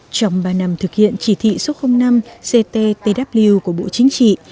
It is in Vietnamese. trong ba năm thực hiện chỉ thị số năm cttw của bộ chính trị